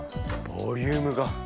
ボリュームが。